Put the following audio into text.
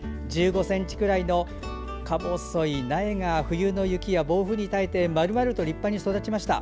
１５ｃｍくらいのかぼそい苗が冬の雪や暴風に耐えて、丸々と立派に育ちました。